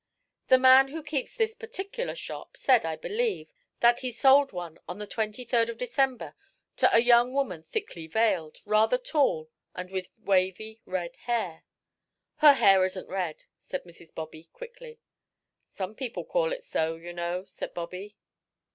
"The man who keeps this particular shop, said, I believe, that he sold one on the twenty third of December to a young woman thickly veiled, rather tall and with wavy red hair." "Her hair isn't red," said Mrs. Bobby, quickly. "Some people call it so, you know," said Bobby.